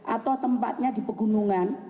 atau tempatnya di pegunungan